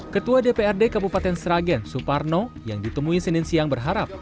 ketua dprd kabupaten sragen suparno yang ditemui senin siang berharap